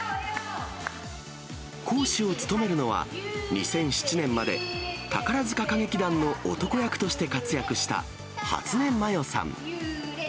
講師を務めるのは、２００７年まで、宝塚歌劇団の男役として活躍した、はつねまよさん。